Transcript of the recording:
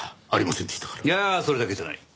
いやそれだけじゃない。